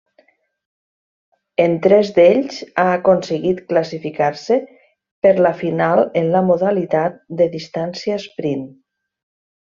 En tres d'ells ha aconseguit classificar-se per la final en la modalitat de distància esprint.